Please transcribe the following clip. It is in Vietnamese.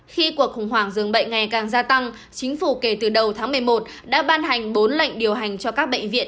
khi cuộc khủng hoảng dường bệnh ngày càng gia tăng chính phủ kể từ đầu tháng một mươi một đã ban hành bốn lệnh điều hành cho các bệnh viện